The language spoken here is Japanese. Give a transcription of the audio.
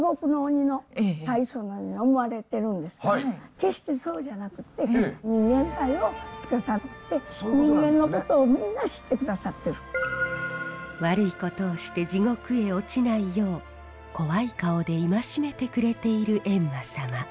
決してそうじゃなくて悪いことをして地獄へ落ちないよう怖い顔で戒めてくれている閻魔様。